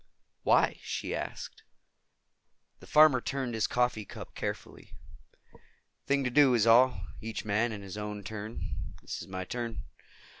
"Why?" she asked. The farmer turned his coffee cup carefully. "Thing to do, is all. Each man in his own turn. This is my turn."